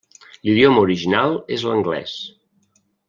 L'idioma original és l'anglès.